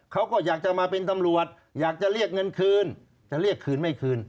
เขาก็อยากจะมาเป็นตำรวจอยากจะเรียกเงินคืนจะเรียกคืนไม่คืน